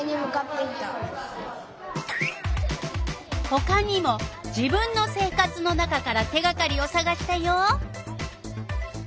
ほかにも自分の生活の中から手がかりをさがしたよ。